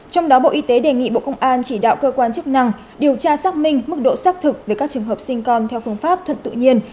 trong đó bộ y tế đề nghị bộ công an chỉ đạo cơ quan chức năng điều tra xác minh mức độ xác thực về các trường hợp sinh con theo phương pháp thận tự nhiên